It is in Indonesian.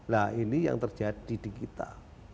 nah ini yang terjadi di kita